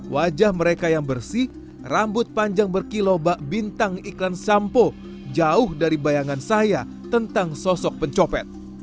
wajah mereka yang bersih rambut panjang berkilo bak bintang iklan sampo jauh dari bayangan saya tentang sosok pencopet